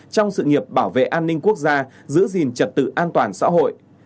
trong sự nghiệp bảo vệ an ninh quốc gia giữ gìn trật tự an toàn xã hội